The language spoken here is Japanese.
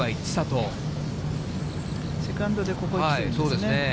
セカンドでここに来てるんでそうですね。